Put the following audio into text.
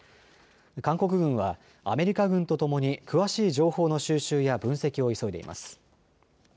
韓国軍はアメリカ軍とともに詳しい情報の収集や分析を急いでいます。